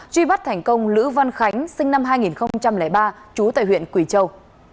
truy bắt thành công lữ văn khánh sinh năm hai nghìn ba trú tại huyện quỳ châu